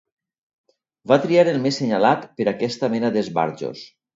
Van triar el més senyalat pera aquesta mena d'esbarjos